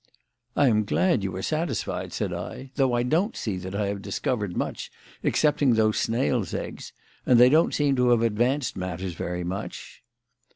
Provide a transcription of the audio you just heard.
"I am glad you are satisfied," said I, "though I don't see that I have discovered much excepting those snails' eggs; and they don't seem to have advanced matters very much."